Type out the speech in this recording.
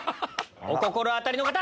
お心当たりの方！